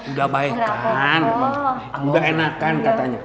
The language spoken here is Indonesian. udah baik kan udah enakan katanya